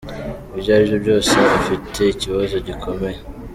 Ibyo aribyo byose afite ikibazo gikomeye.